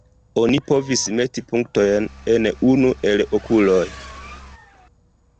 Oni povis meti punktojn en unu el "okuloj".